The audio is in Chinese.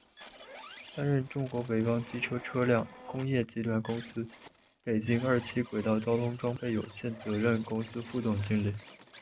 担任中国北方机车车辆工业集团公司北京二七轨道交通装备有限责任公司副总经理。